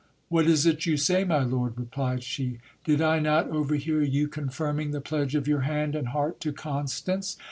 What is it you say, my lord ? replied she. Did I not overhear you confirming the pledge of your hand and heart to Constance